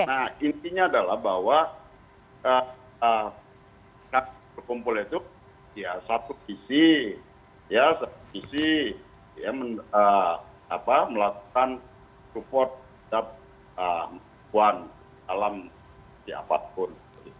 maksudnya intinya adalah bahwa kak berkumpul itu ya satu visi ya satu visi ya melakukan support tetap puan dalam siapapun